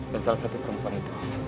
dan salah satu perempuan itu